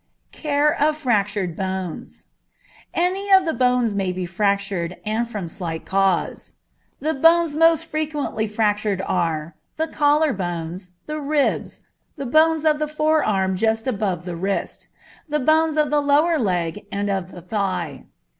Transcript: Care of Fractured Bones. Any of the bones may be fractured, and from slight cause. The bones most frequently fractured are: the collar bones, the ribs, the bones of the forearm just above the wrist, the bones of the lower leg and of the thigh.